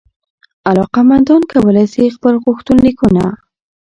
علاقمندان کولای سي خپل غوښتنلیکونه